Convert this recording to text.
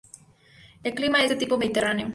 El clima es de tipo mediterráneo.